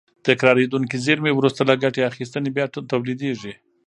تکرارېدونکې زېرمې وروسته له ګټې اخیستنې بیا تولیدېږي.